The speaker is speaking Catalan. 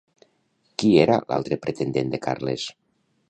Qui era l'altre pretendent de Carles?